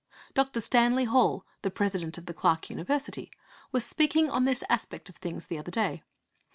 Dr. Stanley Hall, the President of the Clark University, was speaking on this aspect of things the other day.